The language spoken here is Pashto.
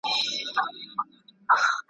خولگۍ راکه شل کلنی پسرلی رانه تېرېږی ,